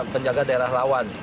penjaga daerah lawan